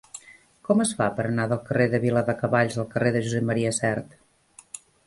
Com es fa per anar del carrer de Viladecavalls al carrer de Josep M. Sert?